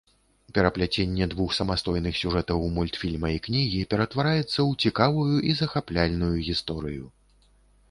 Перапляценне двух самастойных сюжэтаў мультфільма і кнігі ператвараецца ў цікавую і захапляльную гісторыю.